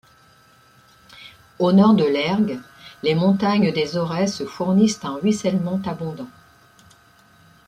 Au nord de l'erg, les montagnes des Aurès fournissent un ruissellement abondant.